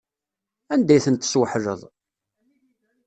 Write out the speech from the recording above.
Anda ay tent-tesweḥleḍ?